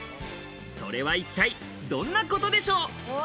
それは一体どんなことでしょう。